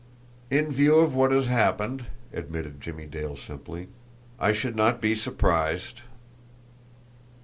"In view of what has happened," admitted Jimmie Dale simply, "I should not be surprised."